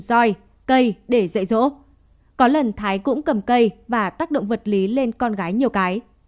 roi cây để dạy rỗ có lần thái cũng cầm cây và tác động vật lý lên con gái nhiều cái